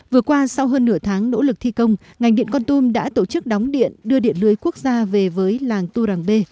vừa qua sau hơn nửa tháng nỗ lực thi công ngành điện con tum đã tổ chức đóng điện đưa điện lưới quốc gia về với làng tu rằng b